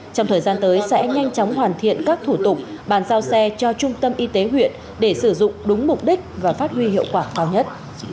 trong thời gian tới sẽ nhanh chóng hoàn thiện các thủ tục bàn giao xe cho trung tâm y tế huyện để sử dụng đúng mục đích và phát huy hiệu quả cao nhất